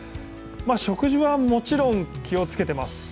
食事はもちろん気をつけてます。